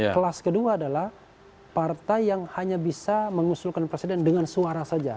kelas kedua adalah partai yang hanya bisa mengusulkan presiden dengan suara saja